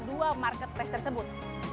dua marketplace tersebut